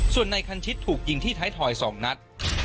ส่วนนายคันชิตถูกยิงที่ท้ายถอย๒นัด